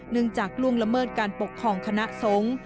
เนื่องจากล่วงละเมิดการปกครองคณะทรง